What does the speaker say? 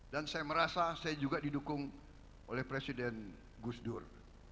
dan saya merasa saya juga didukung oleh presiden gus dur